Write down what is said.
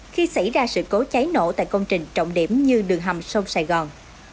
khi xảy ra sự cố cháy nổ tại công trình trọng điểm như đường hầm sông sài gòn